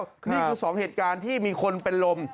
นี่คือสองเหตุการณ์ที่มีคนเป็นลม